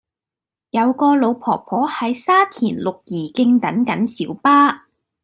有個老婆婆喺沙田綠怡徑等緊小巴